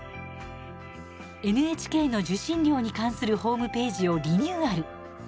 ＮＨＫの受信料に関するホームページをリニューアル。